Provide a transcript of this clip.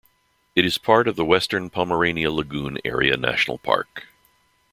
It is part of the Western Pomerania Lagoon Area National Park.